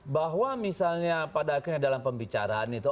bahwa misalnya pada akhirnya dalam pembicaraan itu